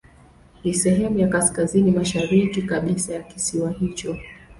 Ni sehemu ya kaskazini mashariki kabisa ya kisiwa hicho.